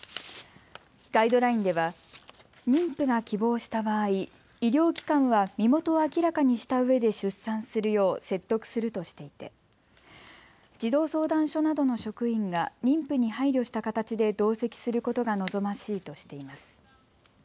ガイドラインでは妊婦が希望した場合、医療機関は身元を明らかにしたうえで出産するよう説得するとしていて児童相談所などの職員が妊婦に配慮した形で同席することが望ましいとしています。